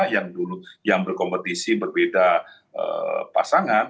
yang berkompetisi berbeda pasangan